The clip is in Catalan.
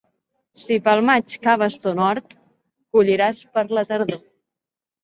Si pel maig caves ton hort, colliràs per la tardor.